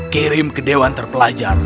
kirim ke dewan terpelajar